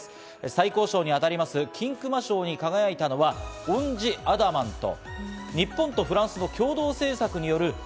最高賞にあたる金熊賞に輝いたのは『オン・ジ・アダマント』。